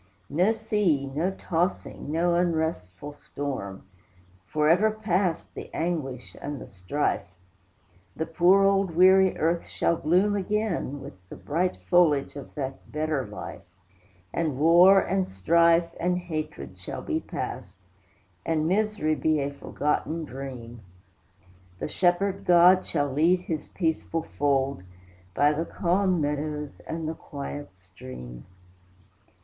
No sea, no tossing, no unrestful storm! Forever past the anguish and the strife; The poor old weary earth shall bloom again, With the bright foliage of that better life. And war, and strife, and hatred, shall be past, And misery be a forgotten dream. The Shepherd God shall lead his peaceful fold By the calm meadows and the quiet stream.